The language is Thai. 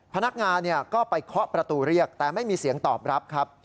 พนักงานก็ไปเคาะประตูเรียกแต่ไม่มีเสียงตอบรับครับ